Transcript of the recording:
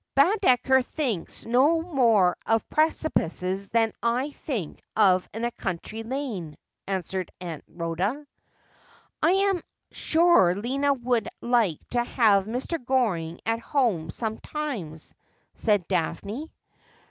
' Baedeker thinks no more of precipices than I think of a country lane,' answered Aunt Rhoda. ' I am sure Lina would like to have Mr. Goring at home sometimes,' said Daphne.